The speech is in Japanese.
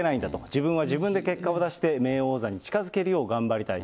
自分は自分で結果を出して、名誉王座に近づけるよう頑張りたい。